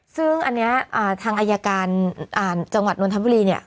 ซึ่งอันนี้ทางอายการจังหวัดนทบุรีเนี่ย